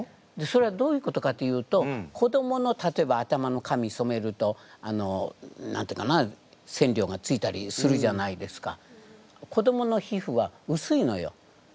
それはどういうことかというと子どもの例えば頭の髪そめると何て言うかな染料がついたりするじゃないですか。